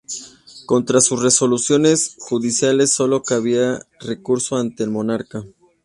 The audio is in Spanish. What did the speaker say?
Contra sus resoluciones judiciales sólo cabía recurso ante el monarca.